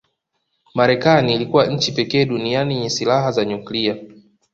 Marekani ilikuwa nchi pekee duniani yenye silaha za nyuklia